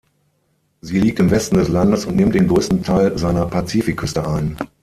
Sie liegt im Westen des Landes und nimmt den größten Teil seiner Pazifikküste ein.